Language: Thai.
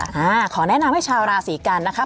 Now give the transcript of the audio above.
ขอแนะนำให้ชาวราศีกันนะคะ